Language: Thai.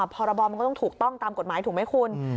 พรบมันก็ต้องถูกต้องตามกฎหมายถูกไหมคุณ